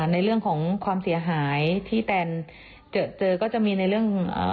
ในเรื่องของความเสียหายที่แตนเจอก็จะมีในเรื่อง